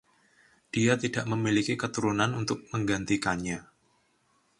Dia tidak memiliki keturunan untuk menggantikannya.